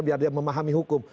biar dia memahami hukum